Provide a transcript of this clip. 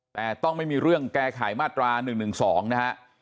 แต่ต้องไม่มีเรื่องแก้ไขมาตรา๑๑๒นะฮะ